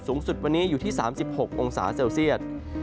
สูงสุดวันนี้อยู่ที่๓๖องศาเซลเซียต